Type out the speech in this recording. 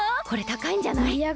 これたかいんじゃない？